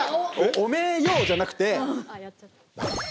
おめえよぉじゃなくて。